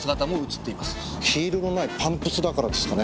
ヒールのないパンプスだからですかね